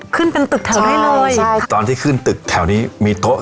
ขึ้นเป็นตึกแถวได้เลยใช่ตอนที่ขึ้นตึกแถวนี้มีโต๊ะ